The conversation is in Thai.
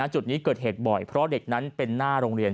จุดนี้เกิดเหตุบ่อยเพราะเด็กนั้นเป็นหน้าโรงเรียน